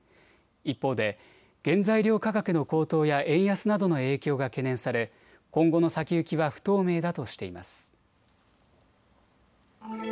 一方で原材料価格の高騰や円安などの影響が懸念され今後の先行きは不透明だとしています。